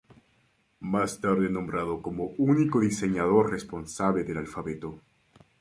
Más tarde nombrado como único diseñador responsable del alfabeto.